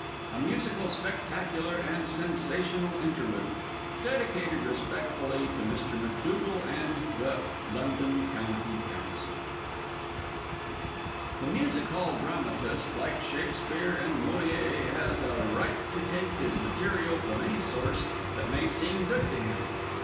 A MUSICAL SPECTACULAR AND SENSATIONAL INTERLUDE. (Dedicated respectfully to Mr. McDougall and the L. C. C.) [Illustration: Joe!] The Music hall Dramatist, like Shakspeare and Molière, has a right to take his material from any source that may seem good to him.